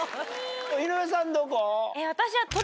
井上さんどこ？